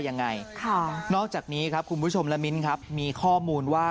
ยังไงค่ะนอกจากนี้ครับคุณผู้ชมและมิ้นครับมีข้อมูลว่า